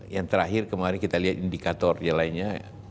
yang terakhir kemarin kita lihat indikator yang lainnya